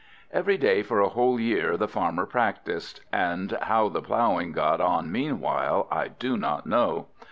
Every day for a whole year the Farmer practised; and how the ploughing got on meanwhile I do not know.